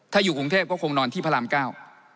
ถ้าอยู่กรุงเทพก็คงนอนที่พระรามเก้า